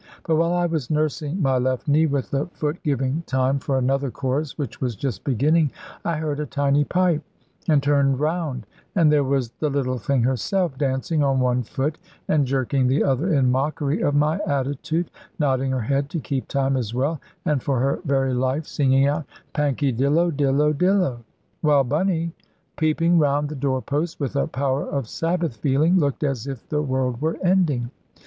But while I was nursing my left knee, with the foot giving time for another chorus (which was just beginning), I heard a tiny pipe, and turned round, and there was the little thing herself, dancing on one foot, and jerking the other in mockery of my attitude, nodding her head to keep time as well, and for her very life singing out, "Pankydillo, dillo, dillo," while Bunny peeping round the door post, with a power of Sabbath feeling, looked as if the world were ending.